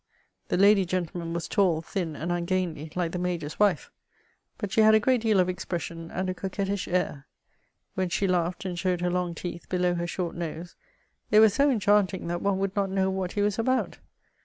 '* The lady^ gentlemen, was tall, thin, and tmgainly, like the major's wife ; but she had a great deal of expression and a coquettish air. When she laughed and showed her long teeth below her short nose, it was so enchanting that one would not know what he was about.